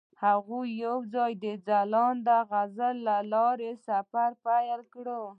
هغوی یوځای د ځلانده غزل له لارې سفر پیل کړ.